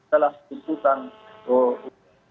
tentukan kehukuman hidup